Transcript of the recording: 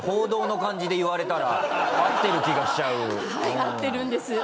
はい合ってるんです。